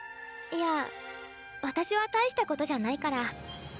いや私は大したことじゃないから。